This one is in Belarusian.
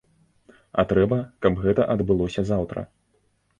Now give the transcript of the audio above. А трэба, каб гэта адбылося заўтра.